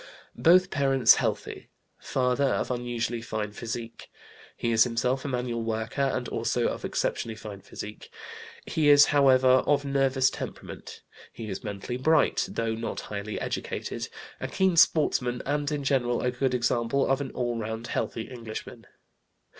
Both parents healthy; father of unusually fine physique. He is himself a manual worker and also of exceptionally fine physique. He is, however, of nervous temperament. He is mentally bright, though not highly educated, a keen sportsman, and in general a good example of an all around healthy Englishman.